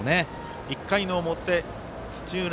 １回の表土浦